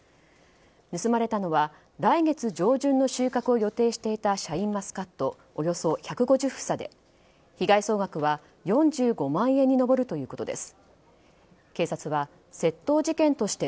盗まれたのは来月上旬の収穫を予定していたシャインマスカットおよそ１５０房で被害総額は４５万円に上るということです。